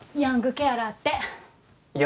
ヤングケアラー？